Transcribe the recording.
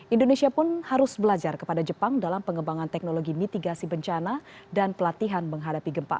indonesia pun harus belajar kepada jepang dalam pengembangan teknologi mitigasi bencana dan pelatihan menghadapi gempa